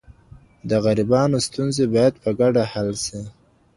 د غریبانو ستونزي باید په ګډه حل سي.